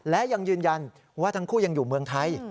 และยังยืนยันว่าทั้งคู่ยังอยู่เมืองไทย